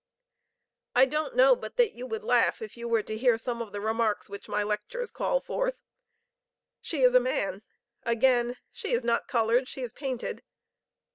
I don't know but that you would laugh if you were to hear some of the remarks which my lectures call forth: 'She is a man,' again 'She is not colored, she is painted.'